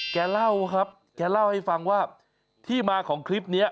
แกเล่าครับแกเล่าให้ฟังว่าที่มาของคลิปนี้